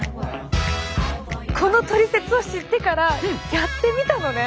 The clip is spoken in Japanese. このトリセツを知ってからやってみたのね。